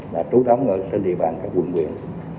là trú đóng ở trên địa bàn các quận quyền